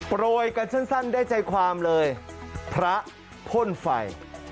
โปรยกันสั้นได้ใจความเลยพระพ่นไฟ